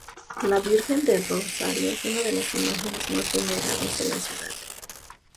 La Virgen del Rosario es una de las imágenes más veneradas de la ciudad.